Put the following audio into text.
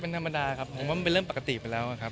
เป็นธรรมดาครับผมว่ามันเป็นเรื่องปกติไปแล้วครับ